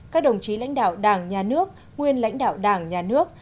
các đồng chí lãnh đạo đảng nhà nước nguyên lãnh đạo đảng nhà nước